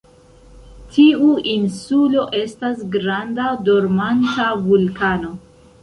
Tiu insulo estas granda dormanta vulkano.